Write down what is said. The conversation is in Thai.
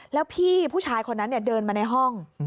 แล้วพี่ผู้ชายคนนั้นเดินมาในห้อง